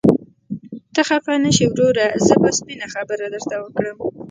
ته خفه نشې وروره، زه به سپينه خبره درته وکړم.